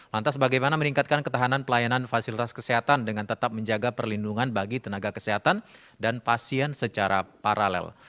lantas bagaimana meningkatkan ketahanan pelayanan fasilitas kesehatan dengan tetap menjaga perlindungan bagi tenaga kesehatan dan pasien secara paralel